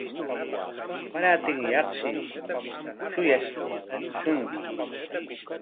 Warantinyaqshi shuyaashunki.